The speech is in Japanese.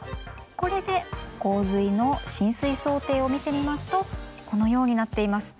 これで洪水の浸水想定を見てみますとこのようになっています。